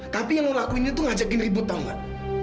tapi yang lo lakuin itu ngajakin ribut tau gak